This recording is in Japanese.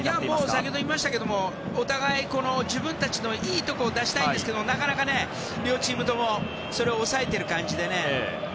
先ほど言いましたけどお互い、自分たちのいいところを出したいんですけどなかなか両チームともそれを抑えている感じでね。